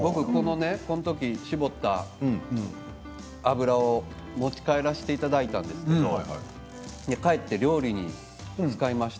この時、搾った油を持ち帰らせていただいたんですけど帰って料理に使いました。